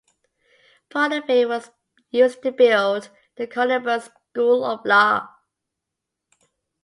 Part of it was used to build the Columbus School of Law.